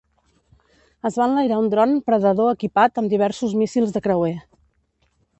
Es va enlairar un dron predador equipat amb diversos míssils de creuer.